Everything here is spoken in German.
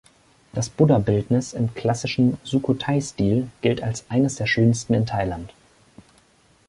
Das Buddha-Bildnis im klassischen Sukhothai-Stil gilt als eines der schönsten in Thailand.